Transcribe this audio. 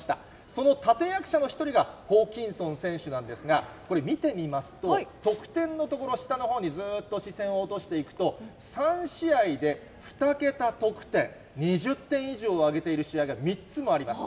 その立て役者の一人がホーキンソン選手なんですが、これ、見てみますと、得点のところ、下のほうにずっと視線を落としていくと、３試合で２桁得点、２０点以上挙げている試合が３つもあります。